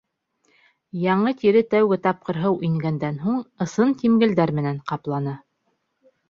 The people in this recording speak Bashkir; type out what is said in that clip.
Яңы тире тәүге тапҡыр һыу ингәндән һуң ысын тимгелдәр менән ҡаплана.